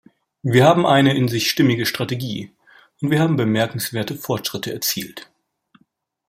Wir haben eine in sich stimmige Strategie, und wir haben bemerkenswerte Fortschritte erzielt.